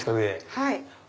はい。